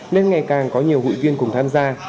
nên ngày càng có nhiều hội viên cùng tham gia